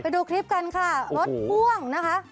ดูคลิปกันค่ะรถพ่วงนะคะ